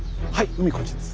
海こっちです。